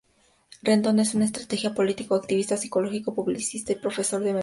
Rendón, es un estratega político, activista, psicólogo, publicista y profesor venezolano.